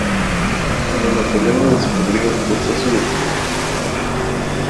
Cuando Napoleón lo descubrió, forzó su despido.